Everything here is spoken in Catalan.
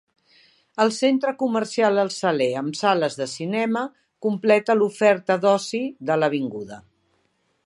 El centre comercial El Saler amb sales de cinema completa l'oferta d'oci de l'avinguda.